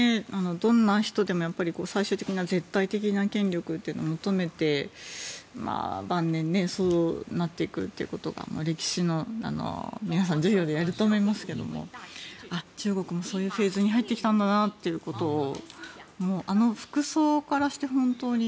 どんな人でも最終的な絶対的な権力というのを求めて、晩年そうなっていくということが皆さん歴史の授業でやると思いますが中国もそういうフェーズに入ってきたんだなということをあの服装からして本当に。